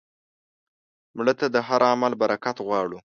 مړه ته د هر عمل برکت غواړو